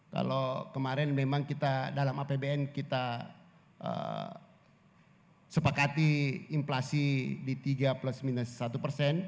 kalau kemarin memang kita dalam apbn kita sepakati inflasi di tiga plus minus satu persen